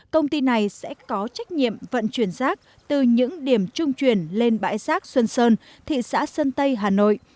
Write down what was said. công ty này sẽ có trách nhiệm vận chuyển rác từ những điểm trung truyền lên bãi rác xuân sơn thị xã sơn tây hà nội